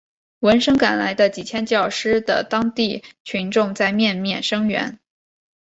闻声赶来的几千教师的当地群众在面面声援。